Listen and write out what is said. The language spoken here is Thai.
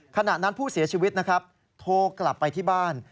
ขณะนั้นผู้เสียชีวิตนะครับโทรกลับไปที่บ้าน